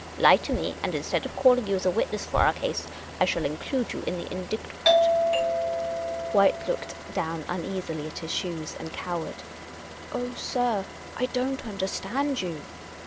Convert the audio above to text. Lie to me, and instead of calling you as a witness for our case, I shall include you in the indictment." White looked down uneasily at his shoes, and cowered. " Oh, sir, I don't understand you."